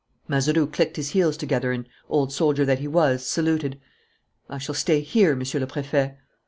Mazeroux clicked his heels together and, old soldier that he was, saluted: "I shall stay here, Monsieur le Préfet."